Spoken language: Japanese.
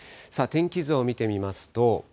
天気図を見てみますと。